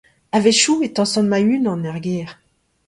A-wechoù e tañsan ma-unan er gêr.